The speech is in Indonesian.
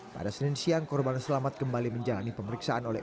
pada senin siang korban selamat kembali menjalani pemeriksaan oleh